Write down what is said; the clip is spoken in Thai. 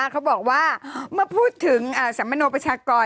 เขาบอกว่าเมื่อพูดถึงสัมมโนประชากร